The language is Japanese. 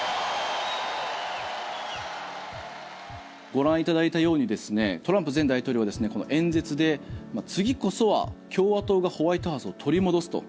ご覧いただいたようにトランプ前大統領は演説で次こそは共和党がホワイトハウスを取り戻すと。